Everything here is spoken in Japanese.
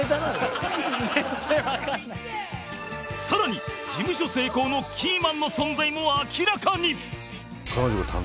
更に事務所成功のキーマンの存在も明らかに